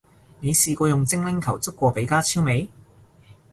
你試過用精靈球捉過比加超未？